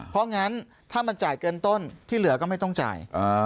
เพราะงั้นถ้ามันจ่ายเกินต้นที่เหลือก็ไม่ต้องจ่าย